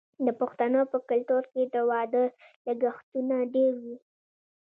د پښتنو په کلتور کې د واده لګښتونه ډیر وي.